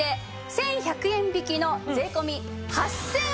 １１００円引きの税込８８００円です。